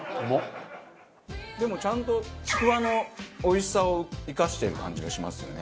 でもちゃんとちくわのおいしさを生かしている感じがしますよね。